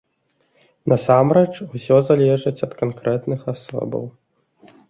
Насамрэч, усё залежыць ад канкрэтных асобаў.